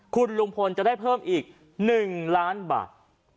คุณลุงพลจะได้เพิ่มอีก๑ล้านบาท